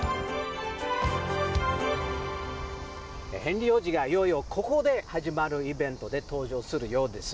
ヘンリー王子がいよいよここで始まるイベントで登場するようです。